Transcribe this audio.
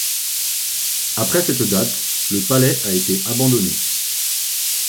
Après cette date le palais a été abandonné.